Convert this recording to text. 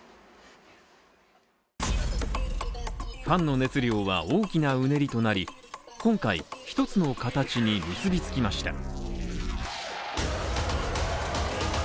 ファンの熱量は大きなうねりとなり、今回、一つの形に結びつきました。